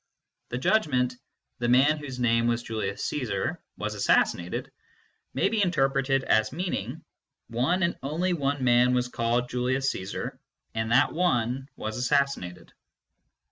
The judgment " the man whose name was Julius C<zar was assassinated " may be interpreted as meaning f" one and only one man was, called Julius Casar, and that one was assassinated."